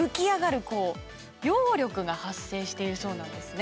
こう揚力が発生しているそうなんですね。